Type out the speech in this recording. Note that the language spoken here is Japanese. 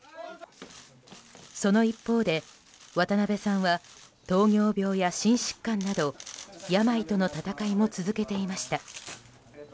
その一方で渡辺さんは糖尿病や心疾患など病との闘いも続けていました。